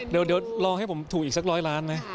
เดี๋ยวรอให้ผมถูกอีกสักร้อยล้านนะ